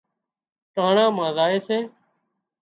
ٽانڻا مان زائي سي